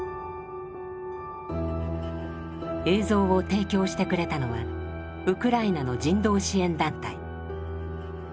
映像を提供してくれたのはウクライナの人道支援団体。